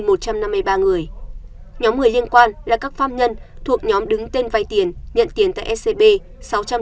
nhóm người liên quan là các pháp nhân thuộc nhóm đứng tên vay tiền nhận tiền tại scb sáu trăm chín mươi hai người